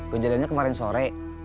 kejadiannya kemarin sore